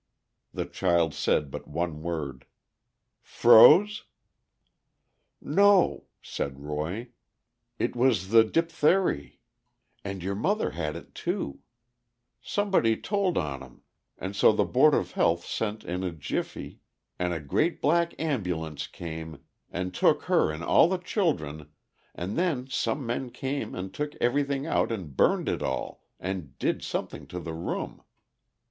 The child said but one word, "Froze?" "No," said Roy, "it was the dipthery. And your mother had it, too. Somebody told on 'em, an' so the Board of Health sent in a jiffy, an' a great black ambulance came an' took her an' all the children, and then some men came and took everything out and burned it all, and did something to the room.